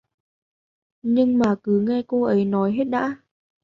Nhưng mà cứ nghe cô ấy nói hết đã